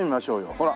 ほら。